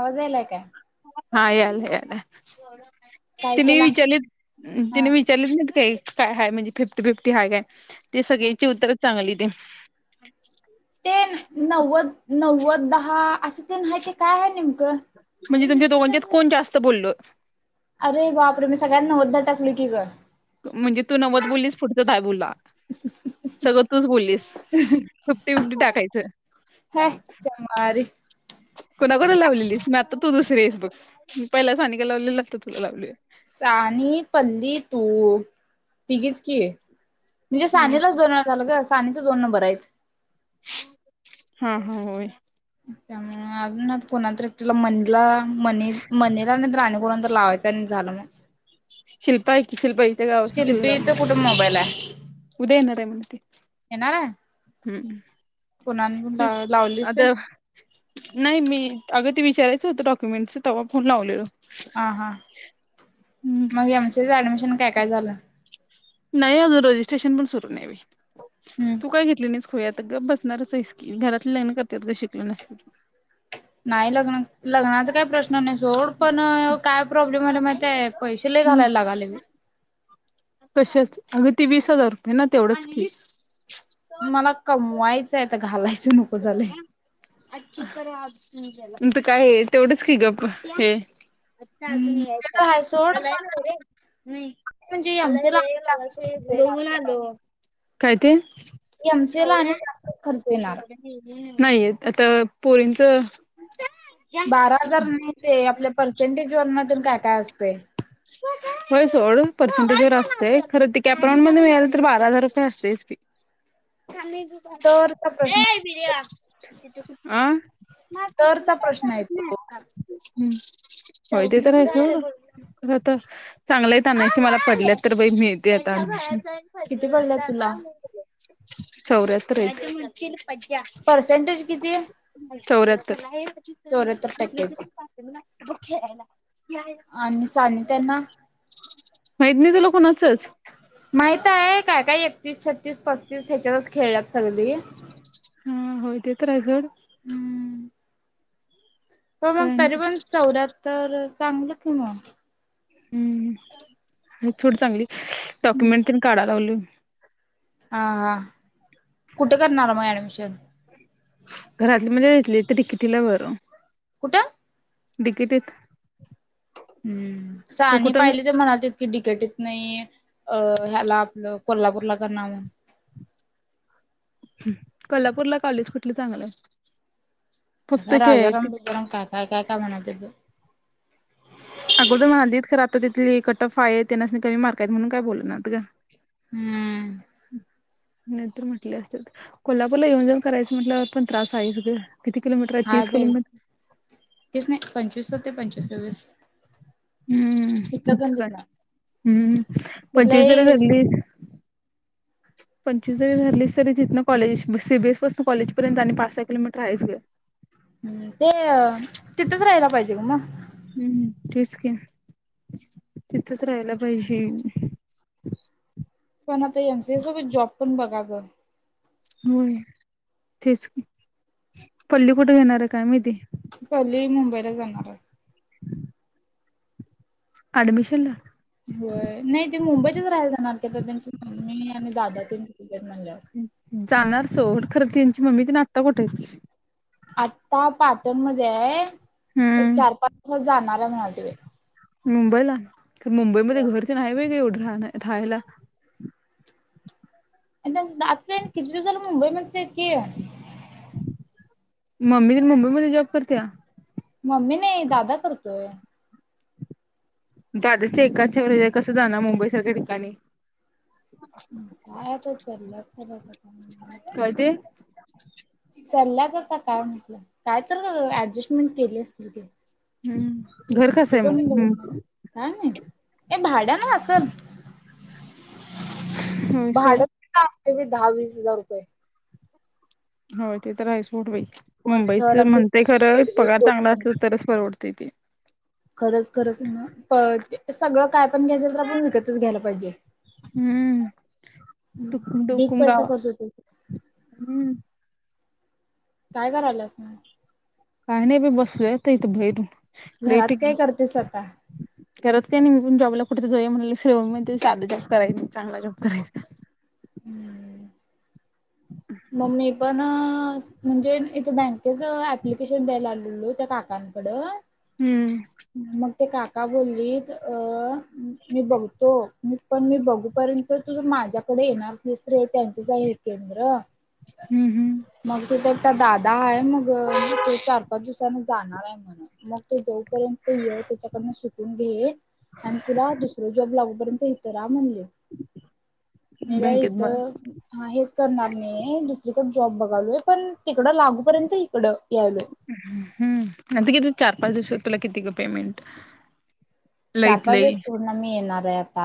आवाज यालाय काय हा याला याला काय तिन केला? म चले तिन हा व चले त नाहीत काही काय हय म्हणजे फिफ्टी फिफ्टी आहेय काय ते सगळचे उत्तर चांगली ते ते नव्वद नव्वद दहा असं ते नाहीती काय आहे नेमकं म्हणजे तुमच्या दोघांच्यात कोण जास्त बोलल अरे बाप रे मी सगळ्यात नवद्द टकली की घ म्हणजे तू नवत बोललीस पुढचं काय बोला सगळं तूच बोललीस फुपटी फुपटी टाकायचं हे चमारी कोणा कोणा लावलेलीस मी आता तू दुसरी आहेस तू मी पहिला सानिका लावली लागतं तुला लावली आहे तघीच की म्हणजे हम्म सांजेलाच दोन वेळा झालं असे ग सानेचे दोन नंबर आहेत हा हा य त्यामुळे कोणात तला मणीला मनी मणीला आणि तर राणी कोणा तर लावायचं आणि झालं मग शिल्पपा त पहि ग तिला लाव शिल्पीच कुठे मोबाईल आहे? उद्या येणार आहे म्ह ते् येणार आहे? कुणाला लावलीस व्हय? आता नाही मी अग ते विचायच होत डक्युमेटं तेव्हाण लावलेलं ह हा मग एमसी ं ऍडमिशन काय काय झालं नाही अजून रजिस्ट्रेशन पण सुरू न हम्म. तू काय घेतली खोयात ग बसणारचस की घरात लग्न करतात ग शिकल नस नाही लग्न लग्नाचा काही प्रश्न नाही सोड पण काय प्रॉब्लेम आला माहि पैसे ल घालायला लागाले मी कशच अग ती वीस हजार रुपये ना तेवढंच की मला कमवायचंय तर घालायचं नको झालंय. अ चित तुमच काय तेवढंच की गप् हे अच्छा अजून हम्म ते यायचा तर आहे सोड आलाय ना पण रे म म्हणजे एम सी आलाय ला रे मग अस येऊन आलो काय ते एमसीला आणि जास्तच खर्च येणार नाहीय आता पोरींच बारा हजार नाही ते आपल्या पर्सेंटेज वणातून काय काय असते होय सोड पर्सेंटेज जर असते हृत कॅप मध्ये व तर बारा हजारची तरचा प्रश्न एरया का तरचा प्रश्न येतो हम्म होय ते तररास ख तर चांगलंय त्यांनाशी मला पडल्यात तर बाई मिळती आताडमिश किती पडलं तुला चौर्यात य परसेंटेज किती आहे चौऱ्याहतर [unintelligible] बुखयला आणि त्यांना तिझं लकणचच माहित आहे काय काय एकतीस छत्तीस पस्तीस ह्याच्यातच खेळल्यात सगळी हा होतयेत रायझोड हम्म प काय मग आणि तरी पण काय चौऱ्याहत्तर चांगलं कि मग हम्म थोडी चांगली डॉक्युमेंट तनी काढा लावल हा हा कुठे करणार मग ऍडमिशन च घरातली म्हजे येतली तर टिकिटिलार त कुठं िकेटेत हम् सा आणि पाहिलीच म्हणात इतकी डिकेट नाही अ ह्याला आपलं कोल्हापूरला करणारव कोल्हापूरला कॉलेज कुठलं चांगलं हाय? राजाराम [unintelligible] काय काय म्हनात अगोदर म्हणालतीत खरं आता तिथल कट ऑफ हाय हाय. तेनासनी कमी मार्क आहेत म्हणून काय बोलनात ग. हम्म. नाही तर म्हंटले असते कोल्हापूरला येऊन जाऊ करायचं म्हटल्यावर पण त्रास हायच ग. हाय [unintelligible] तेच नाही पंचवीस ते पंचवीस कुठला हम्म, पण काय जिंकणार हम्म ते पंचवीस जरी लय धरलीस पंचवीस जरी धरलीस, तरी तिथन कॉलेज सी. बी. एस पासन कॉलेज पर्यंत आणि पाच सहा किलोमीटर हायच ग हम्म, ते तिथंच राहाला पाहिजे ग म हम्म, तेच की तिथच राहायला पाहिजे. पण आता एम. सी. ए सोबत जॉब पण बघा ग होय, तेच की पल्ली कुठे घेणार आहे काय माहिती? पल्ली मुंबईला जाणार हाय. ॲडमिशनला? होय, नाही ती मुंबईतच राहायला जाणार की, आता ततेचं मम्मी आणि दादा तेन आहेत म्हणल्यावर जाणार सोड, खरं त्यांची मम्मी तेन आता कुठ हाईत? आत्ता पाटण मध्ये हाय एक चार हम्म पाच हजा मला म्हणालती मुंबईला ना, मुंबईमध्ये घर तेन हाय होय ग एवढं [unintelligible] राहायला. त्या [unintelligible] न किती दिवसाला मुंबई मध्येच आहेत की. मम्मी तेन मुंबईमध्ये जॉब करत्या? मम्मी नाही दादा करतोय. दादाच्या एकाच्या कसं जाणार मुंबई सारख्या ठिकाणी काय आत्ता चाल्यात कनि काय ते [unintelligible] [inaudible] चाल्यात आत्ता काय माहिती, काय तर ऍडजस्टमेंट केली असतील घे. हम्म. घर कसं आहे मग ए भाड्या न असल. होय भाडं सोड. काय असतय दहा वीस हजार रुपये. हो ते तर हाय सोड बई. डिपॉझिट ठेवाय मुंबईच लागतय म्हणतय खरं, दीड दीड पगार दोन चांगला दोन असला तरच परवडतय ते खरंच खरंच [unintelligible] सगळं काय पण घ्यायच तर आपण विकतच घ्यायला पाहिजे, हम्म टुकुम ढीग टुकुम पैसा गावा खर्च होतोय. हम्म काय कराल्यास? काही नाही बी बसलोय इथ बहिर. घरात काय करतेस आता? करत काय नाही मी पण जॉबला कुठे तर, जाऊया म्हणालोय साधं जॉब करायचं नाही, चांगला जॉब करायच. हम्म. मग मी पण म्हणजे इथे बँकच ऍप्लिकेशन द्यायला आलेलो त्या काकांकडं. हम्म. मग ते काका बोललीत अ मी बघतो पण मी बघूपर्यंत तुझ माझ्याकडे येणार असलीस तर ये. त्यांचच आहे केंद्र. हम्म हम्म. मग तिथे दादा आहे मग तो चार, पाच दिवसान जाणार आहे म्हण, मग तो जाऊ पर्यंत ये त्याच्याकडन शिकून घे ये आणि तुला दुसर जॉब लागू पर्यंत इथं राहा. मी का बँकेत इथ बघ हा हेच करणार नाही. दुसरीकड जॉब बघालोय पण तिकडं लागूपर्यंत इकडं यायलोय हम्म. आता किती? चार, पाच दिवसात तुला किती ग पेमेंट? चार, लईत पाच लई वेळेस पूर्ण मी येणार. पॅप आत्ता,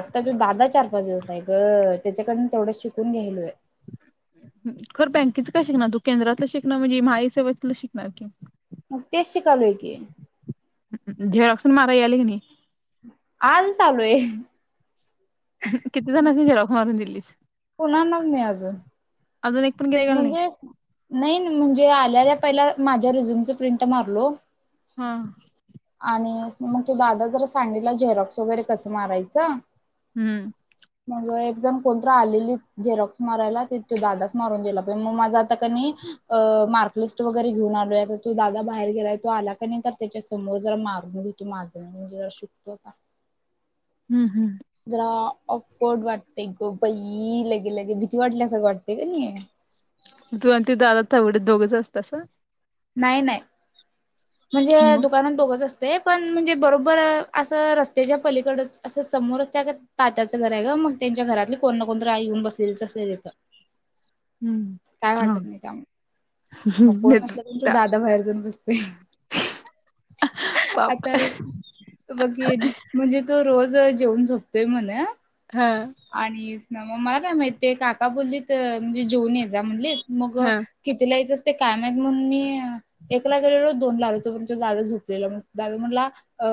आता तो दादा चार, पाच दिवस नाही गं त्याच्याकडून तेवढंच शिकून घ्यायलोय. खर बँकेच काय शिकणार तू केंद्रातलं शिकण म्हणजे महा ई सेवतलं शिकणार की. तेच शिकालोय की. झेरॉक्स मारायला याल काय नही. आजच आलोय. ह किती जणास्नी झेरॉक्स मारून दिलीस? कुणांनाच मी अजून. अजून एक पण गिरायकाला नाही म्हणजे नई न म्हणजे आल्याल्या पहिला मा त्या रिझ्यूमचं प्रिंट मारलो. हा. आणि मग तो दादा जरा सांगितला झेरॉक्स वगैरे कसं मारायचं. हम्म मग एक म कोण तरी आलेली झेरॉक्स मारायला ते तो दादाच मारून दिला बई मग माझा आता कणी मार्कलिस्ट वगैरे घेऊन आलोय आता तो दादा बाहेर गेलाय तो आला कणी नई तर त्याच्या समोर जरा मारून घ तो माझं मी म्हणजे जरा शिकतो आता. हम्म हम्म. जरा ऑफकोर्ड वाटतय ग बई लगे लगे भीती वाटल्यासारखं वाटतय क नई. तू आणि त दादा थवडे दोघंच असतसा? नाही नाही. म्हणजे मग दुकानात दोघंच अस ते पण म्हणजे बरोबर असं रस्त्याच्या पलीकडच असं समोरच त्या तात्याचं घर आहे ग मग त्यांच्या घरातली कोण ना कोणतरी आई येऊन बसलेलीच असते तिथं. हम्म काय हा वाटत नाही त्यामुळे मग हम्म कोण देतो नसलं तो दादा बाहेर जाऊन बसतोय पाप आता बघ हे म्हणजे त तो रोजं जेऊन झोपतोय म्हणं. हा आणि ना मग मला काय माहित ते काका बोललीत म्हणजे जेऊन ये जा म्हणली, मग हा कितीला यायचं स ते काय मग मी अ एकला गेलेलो दोनला आ [inaudible] दादा झोपलेला दादा म्हणला अ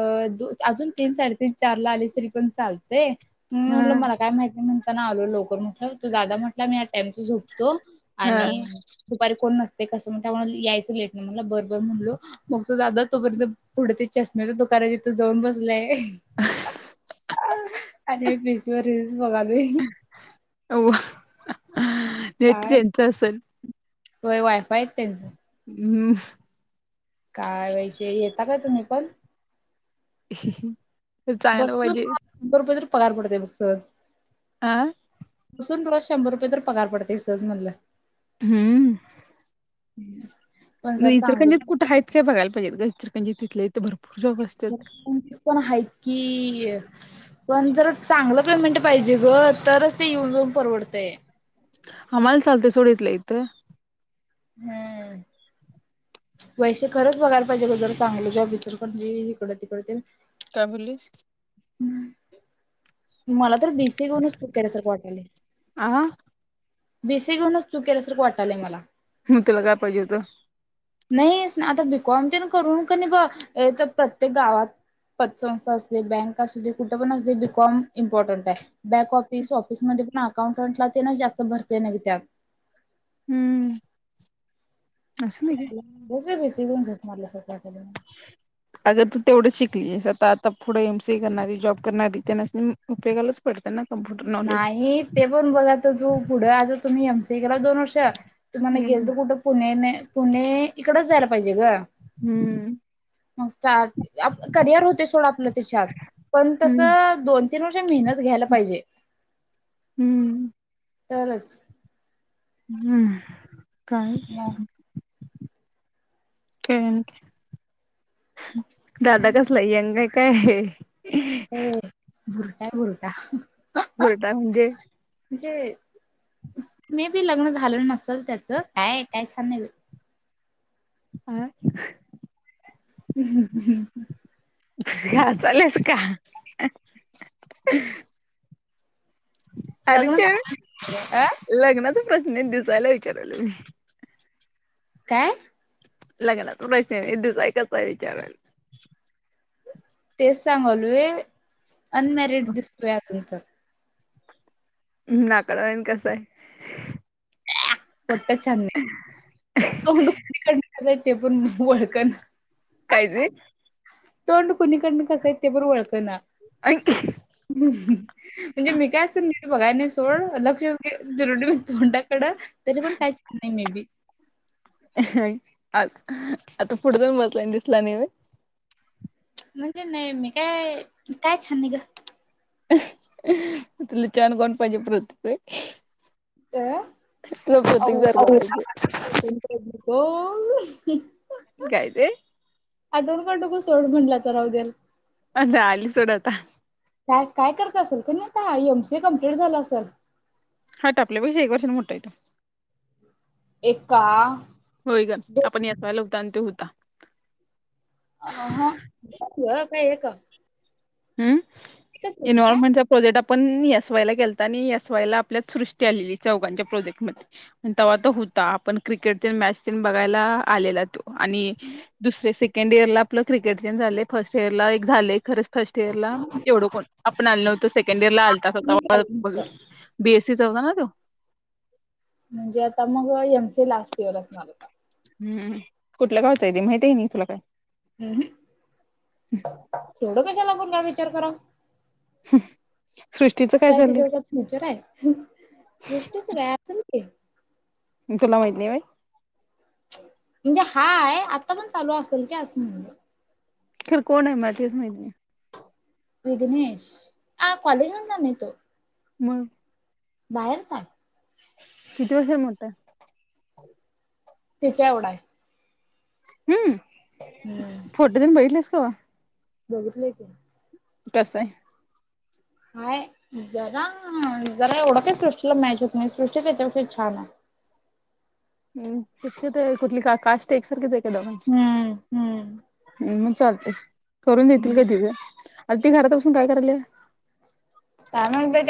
अजून तीन साडेतीन, चारला आलीस तरी पण चालतंय. म्हणून म्हटलं हा. मला काय माहिती नाय म्हणताना आलोय लवकर तर तो दादा म्हटला मी या टायमच झोपतो, हा आणि दुपारी कोण नसतंय. कसं मग त्यामुळे यायचं लेट ना मला बरं बरं म्हणलो, मग तो दादा तोपर्यंत पुढे ते चष्मेच दुकान हाय तिथं जाऊन बसलाय. [inaudible] आणि [unintelligible] टीर् बघालोय. वा नेट काय त्याचं असेल. होय वायफाय हाय त्यांचं हम् काय वैशे ए टाकाय तुम्ही पण? [unintelligible] बस चांगलं [inaudible] पाहिजे रुपये तर पगार पडतंय फिक्सं. आ सोनू तुला शंभर रुपये तर पगार पडतंय सहज म्हणलं हम्म [inaudible] जर इचलकरंजित चांगलं कुठं आहेत का बघायला पाहिजे गं इचलकंरजीत पण आहेत कि अ पण जर चांगलं पेमेंट पाहिजे ग तरच ते येऊन जाऊन परवडतंय. हा मला चालतंय सोड इथल्या इथं. हम्म वैशे खरंच बघायला पाहिजे ग जरा चांगलं जॉब इचलकरंजी हिकडं तिकडं ते. काय बोलस हम्म मला तर बीसी करनच चू कराय सर कटले आ बीसी घेऊनच तू केल्यासारखं वाटालय मला मग त्याुला काय पाहिजे होतं नाही आता बीकॉम ते ना करू का नाही ब तर प्रत्येक गावात पतसंस्था असली बँक असू दे कुठे पण असले बीकॉम इम्पॉर्टंट आहे बँक ऑफिस ऑफिसमध्येध्ये पण अकाउंटंटला ते ना जास्त भरते नाही त्यात हम्म असं नाही का [unintelligible] शिवून झकणारार सकाळकडे अग तू तेवढं शिकलीस आता आता पुढं एम सी ए करणारी जॉब करणारी त्यांना उपयोगालाच पडतना नाही ते पण बघाय तू पुढे आता तुम्ही एमसी केला दोन वर्ष तुम्हाला हम्म गेलच कुठं पुणे पुणे इकडच जायला पाहिजे ग हम्म मग सार्ट करियर होते सोडं आपलं त्याच्यात पण तस हम्म दोन तीन वर्ष मेहनत घ्यायला पाहिजे हम्म तरणच हम्म काय मग का न का दादा काय कसलाई अंग का हो बर काय बरटा बरटाय म्हजे [unintelligible] म्हणजे मे बी लग्न झालेलं नसेल त्याचं काय काय छान नाही. आ. हम्् [unintelligible] [unintelligible] चालेस का. [unintelligible] अरे लग्न अ [unintelligible] नाही दिसायला विचारवलं मी. काय. लग्न तथड नाही द सायकचय विचार. तेच सांगलुय. अनमॅरिड दिसतूया तुमचं. हम् नाकडन कस आहे. पट चन. [unintelligible] तुु [unintelligible] ते पण ओळखण. काय तोंड कुणीकडन कसं आहे ते बरोब ळ ना. अ [unintelligible] ह [unintelligible] म्हणजे मी काय असं. बघायने सोड लक्ष जरुरी ट ड तरी पण काही छ नाही मे बी. आ आता पुढ जान बसला दिसला नाही. म्हणजे नाही मी काय काय छान नाही ग. तु ल छान कोण पाहिजे प्रृ [unintelligible] अ त बधिक जर [unintelligible] हो. नन कायते [unintelligible] आटोर काटोक सोड म्हणला तरहगेर [unintelligible] अता अली सोडात. काय काय करत असेल, का नाही आता एमसी कमप्लीट झाला असेल. हा टा आपल्यापेक्षा एक वर्षाान मोठा येतो. ए [unintelligible] होय ग आपण याचवायला होता आणि तो होता. अ हां. काय आहे का. हम् [unintelligible] इनवॉल्मेट चा प्रोजेक्ट. आपण एस वाय ला गेलता आणि एस वाय ला आपल्यात सृष्टी आलेली चौघांच्या प्रोजेक्टमध्येध्ये तेव्हा तो होता आपण क्रिकेट मॅच बघायला आलेला तो आणि दुसरे स सेकंड इयर आपलं क्रिकेटचे झाले फर्स्ट इयरला एक झालं खरंच फर्स्ट इयर ला एवढं कोण आपण आललं नव्हतं सेकंड इयर ला आलतात काय होता चालेल बीएस ना तो म्हणजे आता मग एम सी लास्ट इयर असणार होता हम्म कुठल्या गावच आहे ते माहती आहे तुला काय हम्म थोडं कशाला गूनावी चक कराव हम त्या त्या जेव फ्युचर आहे सृष्टीचं ह तुला माहित नाही होय म्हणजे हा आहे आता पण चालू असेल क अस म्हणजे खर कोण आहे माती समजली विघ्नेश ह कॉलेज मधला नाही तो मग? बाहेरचा. किती वर्ष मोठं? तिच्या एवढा आहे. हम्म. फोटो तीन बघितलास तू? बघितलं की कस आहे? हाय जरा जरा एवढं का सृष्टीला मॅच होत नाही सृष्टी त्याच्यापेक्षा छान आहे. हम सृष्टी कुठली का काष्ट एकसारखेच दघ हम् हम्म हम्म. मग चालते करून देतील का हम्म दिव आता घरात बासून काय करायल्या? काय माहित बाई